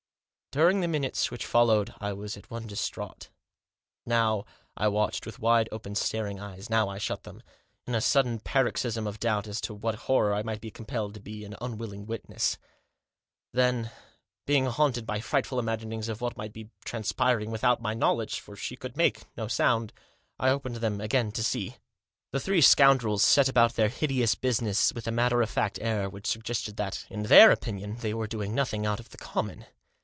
During the minutes which followed I was as one distraught. Now I watched, with wide open staring eyes ; now I shut them, in a sudden paroxysm of doubt as to what horror I might be compelled to be an unwilling witness ; then, being haunted by frightful imaginings of what might be transpiring without my knowledge — for she could make no sound — I opened them again to see. The three scoundrels set about their hideous business with a matter of fact air which suggested that, in their opinion, they were doing nothing out of the common.